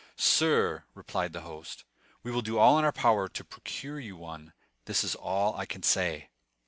"Sir," replied the host, "we will do all in our power to procure you one—this is all I can say."